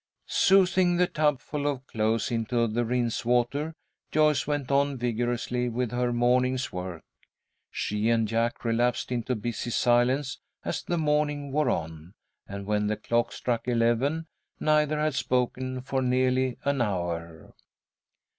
Sousing the tubful of clothes into the rinse water, Joyce went on vigorously with her morning's work. She and Jack relapsed into busy silence as the morning wore on, and when the clock struck eleven, neither had spoken for nearly an hour.